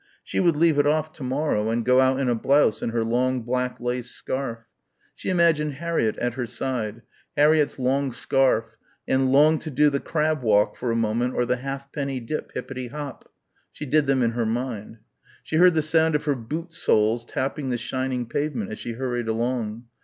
She would leave it off to morrow and go out in a blouse and her long black lace scarf.... She imagined Harriett at her side Harriett's long scarf and longed to do the "crab walk" for a moment or the halfpenny dip, hippety hop. She did them in her mind. She heard the sound of her boot soles tapping the shining pavement as she hurried along